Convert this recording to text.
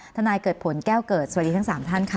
นายเกิดผลแก้วเกิดสวัสดีทั้ง๓ท่านค่ะ